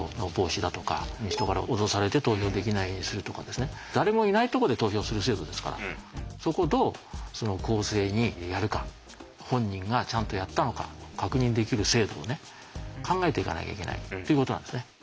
ですから誰もいないとこで投票する制度ですからそこをどう公正にやるか本人がちゃんとやったのか確認できる制度をね考えていかなきゃいけないということなんですね。